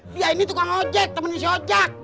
fia ini tukang ojek teman isi ojek